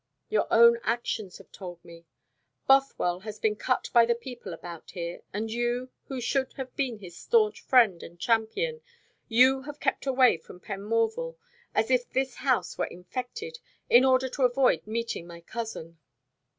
"Your own actions have told me. Bothwell has been cut by the people about here; and you, who should have been his staunch friend and champion, you have kept away from Penmorval as if this house were infected, in order to avoid meeting my cousin."